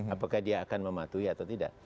apakah dia akan mematuhi atau tidak